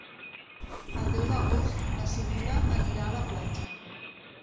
El deu d'agost na Sibil·la anirà a la platja.